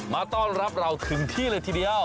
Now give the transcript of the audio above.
มาต้อนรับเราถึงที่เลยทีเดียว